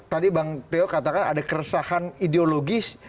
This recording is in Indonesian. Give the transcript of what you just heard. tadi bang teo katakan ada keresahan ideologis